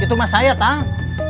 itu mah saya tang